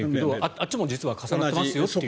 あっちも実は重なっていますよという。